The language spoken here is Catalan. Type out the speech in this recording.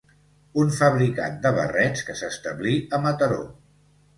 Un fabricant de barrets que s'establí a Mataró.